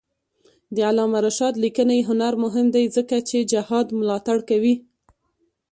د علامه رشاد لیکنی هنر مهم دی ځکه چې جهاد ملاتړ کوي.